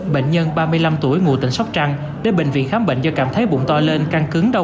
bệnh nhân ba mươi năm tuổi ngụ tỉnh sóc trăng đến bệnh viện khám bệnh do cảm thấy bụng to lên căn cứng đau